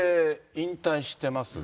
引退してますが。